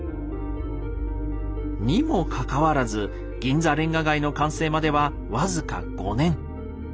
にもかかわらず銀座レンガ街の完成までは僅か５年。